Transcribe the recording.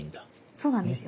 そうなんですよ。